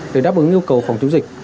để đáp ứng yêu cầu phòng chống dịch